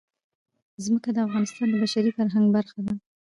ځمکه د افغانستان د بشري فرهنګ برخه ده.